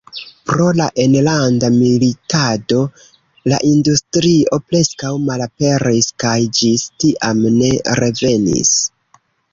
Pro la enlanda militado la industrio preskaŭ malaperis kaj ĝis tiam ne revenis.